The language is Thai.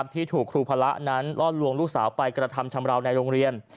ที่ถูกครูพระนั้นล่อลวงลูกสาวไปกระทำชำราวในโรงเรียน